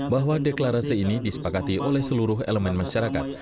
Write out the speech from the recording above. bahwa deklarasi ini disepakati oleh seluruh elemen masyarakat